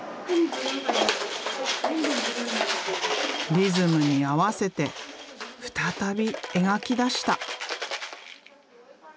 リズムに合わせて再び描きだした！